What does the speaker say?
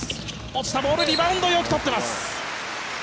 落ちたボールリバウンドよく取ってます。